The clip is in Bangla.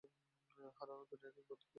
হারানো দুনিয়ার কিংবদন্তী!